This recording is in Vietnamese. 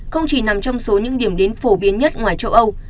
không chỉ nằm trong số những điểm đến phổ biến nhất ngoài châu âu